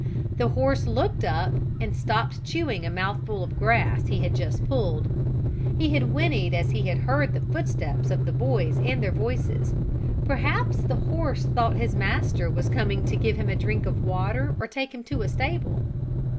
The horse looked up and stopped chewing a mouthful of grass he had just pulled. He had whinneyed as he heard the footsteps of the boys and their voices. Perhaps the horse thought his master was coming to give him a drink of water or take him to a stable.